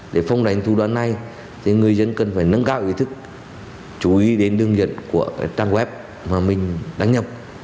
để phong đánh thủ đoán này thì người dân cần phải nâng cao ý thức chú ý đến đường nhận của trang web mà mình đăng nhập